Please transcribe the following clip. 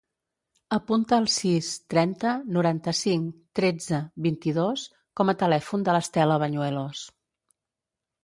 Apunta el sis, trenta, noranta-cinc, tretze, vint-i-dos com a telèfon de l'Estela Bañuelos.